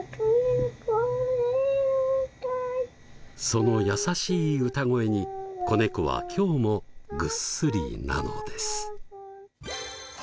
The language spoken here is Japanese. その優しい歌声に子猫は今日もぐっすりなのです。